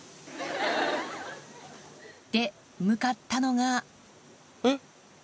で向かったのがえっ？